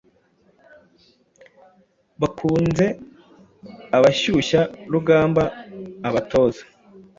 bakunze abashyushya rugamba, abatoza